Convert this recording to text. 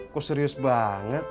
kok serius banget